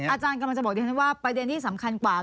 อาจารย์กำลังจะบอกดิฉันว่าประเด็นที่สำคัญกว่า